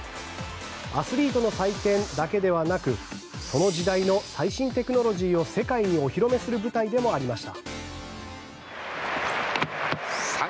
アスリートの祭典だけではなくその時代の最新テクノロジーを世界にお披露目する舞台でもありました。